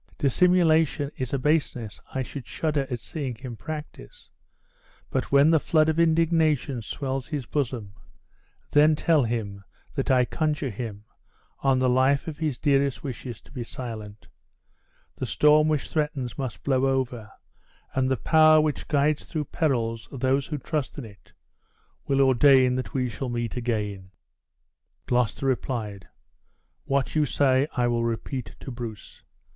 Dissimulation is a baseness I should shudder at seeing him practice; but when the flood of indignation swells his bosom, then tell him, that I conjure him, on the life of his dearest wishes, to be silent! The storm which threatens must blow over, and the power which guides through perils those who trust in it, will ordain that we shall meet again!" Gloucester replied, "What you say I will repeat to Bruce.